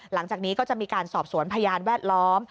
หลังจากนี้ก็จะมีการสอบสวนพยานแวดล้อม